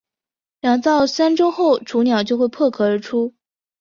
两到三周后雏鸟就会破壳而出。